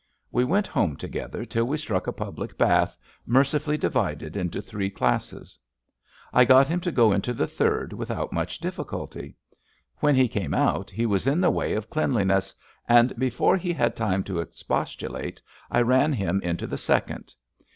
We went home together till we struck a public bath, mercifully divided into three classes. I got him to go into the third without much diflSculty. When he came out he was in the way of cleanli ness, and before he had time to expostulate I ran him into the second.